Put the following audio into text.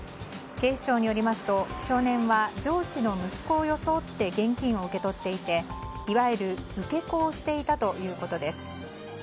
警視庁によりますと少年は上司の息子を装って現金を受け取っていていわゆる受け子をしていたということです。